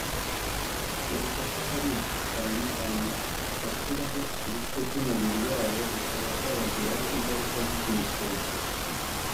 kivuga ko hari ibishushanyo abantu bashyira ku bice by’umubiri wabo bikaba byabagiraho ingaruka z’igihe kirekire